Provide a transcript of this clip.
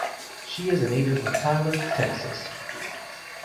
She is a native of Tyler, Texas.